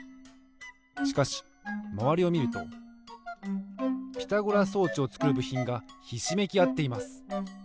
しかしまわりをみるとピタゴラ装置をつくるぶひんがひしめきあっています。